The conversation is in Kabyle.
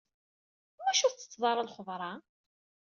Iwacu ur tettetteḍ ara lxeḍra?